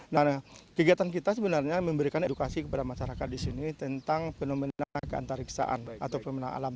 nah kegiatan kita sebenarnya memberikan edukasi kepada masyarakat di sini tentang fenomena keantariksaan atau fenomena alam